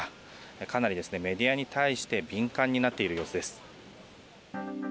かなりメディアに対して敏感になっている様子です。